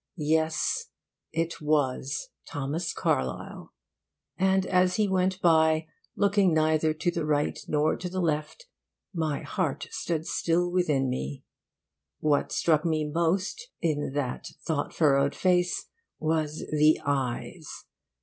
Yes, it was Thomas Carlyle; and as he went by, looking neither to the right nor to the left, my heart stood still within me. What struck me most in that thought furrowed face was the eyes.